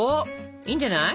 いいんじゃない？